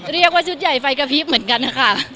เรียกว่าชุดใหญ่ไฟกระพริบเหมือนกันนะคะ